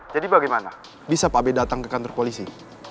jadi bagaimana bisa pak bey datang ke kantor polisi